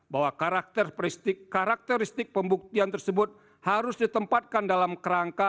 bahwa karakteristik karakteristik pembuktian tersebut harus ditempatkan dalam kerangka